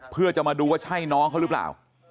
เพื่อจะมาดูว่าใช่น้องเขาหรือเปล่า